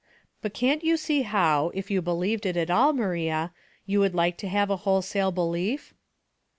But can't you see how, if you believed it at all, Maria, you would like to have a wholesale be lief?"